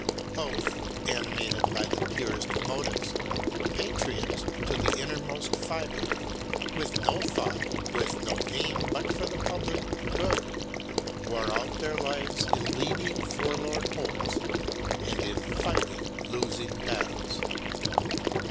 Both, animated by the purest motives, patriots to the innermost fibre, with no thought, with no aim but for the public good, wore out their lives in leading forlorn hopes and in fighting losing battles.